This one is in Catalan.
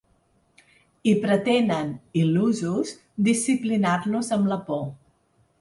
I pretenen, il·lusos, disciplinar-nos amb la por.